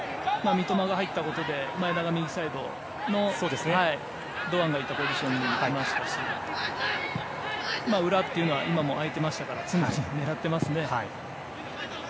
三笘が入ったことで前田が右サイドの堂安がいたポジションにいきましたし裏というのは今、空いてましたから常に狙っていますね。